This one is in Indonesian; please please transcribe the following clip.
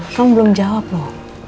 kamu belum jawab loh